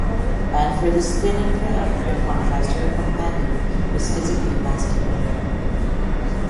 Banford is thin and frail, in contrast to her companion who is physically masculine.